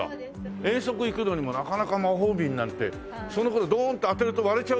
遠足行くのにもなかなか魔法瓶なんてその頃ドーンって当てると割れちゃうみたいなさ。